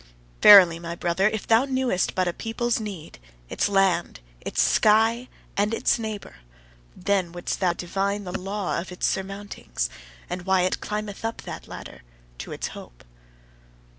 Verily, my brother, if thou knewest but a people's need, its land, its sky, and its neighbour, then wouldst thou divine the law of its surmountings, and why it climbeth up that ladder to its hope.